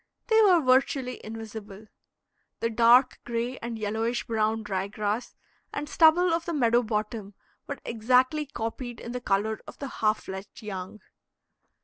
They were virtually invisible. The dark gray and yellowish brown dry grass and stubble of the meadow bottom were exactly copied in the color of the half fledged young.